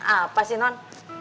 apa sih non